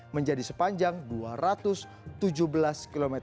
menjadi sepanjang dua ratus tujuh belas km